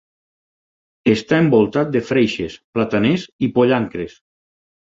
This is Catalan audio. Està envoltat de freixes, plataners i pollancres.